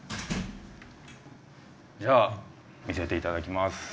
じゃあ見せていただきます。